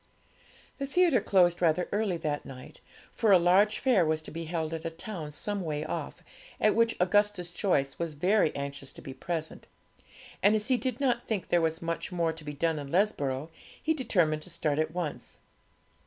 The theatre closed rather earlier that night, for a large fair was to be held at a town some way off, at which Augustus Joyce was very anxious to be present; and as he did not think there was much more to be done in Lesborough, he determined to start at once.